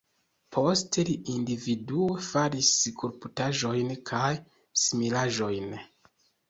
Poste li individue faris skulptaĵojn kaj similaĵojn.